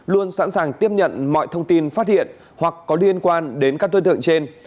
luôn sẵn sàng tiếp nhận mọi thông tin phát hiện hoặc có liên quan đến các đối tượng trên